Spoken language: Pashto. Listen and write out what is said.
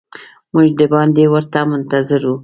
موږ د باندې ورته منتظر وو.